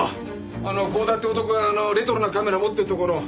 あの光田って男があのレトロなカメラ持ってるところを。